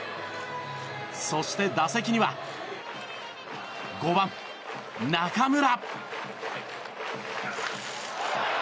そして打席には５番、中村。